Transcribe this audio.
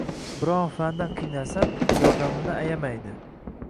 Biror fandan qiynalsam, yordamini ayamaydi